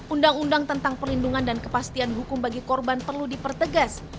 undang undang tentang perlindungan dan kepastian hukum bagi korban perlu dipertegas